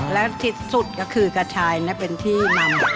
และที่สุดก็คือกระชายเป็นที่นำ